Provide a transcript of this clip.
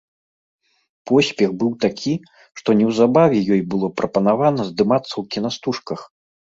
Поспех быў такі, што неўзабаве ёй было прапанавана здымацца ў кінастужках.